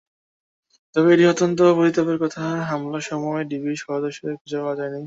তবে এটা অত্যন্ত পরিতাপের কথা, হামলার সময় ডিবির সদস্যদের খুঁজে পাওয়া যায়নি।